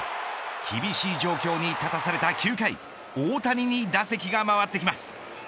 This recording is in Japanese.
厳しい状況に立たされた９回大谷に打席が回ってきます。